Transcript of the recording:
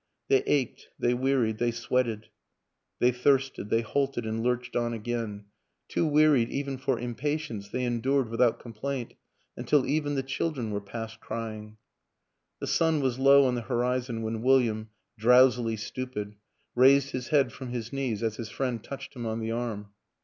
They ached, they wearied, they sweated, they .188 WILLIAM AN ENGLISHMAN thirsted they halted and lurched on again; too wearied even for impatience, they endured with out complaint until even the children were past crying. The sun was low on the horizon when William, drowsily stupid, raised his head from his knees as his friend touched him on the arm.